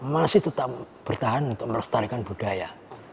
masih tetap bertahan untuk melestarikan budaya